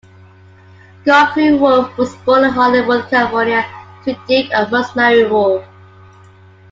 Geoffrey Wolff was born in Hollywood, California, to Duke and Rosemary Wolff.